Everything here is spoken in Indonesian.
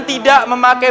itu ada dua bagian kain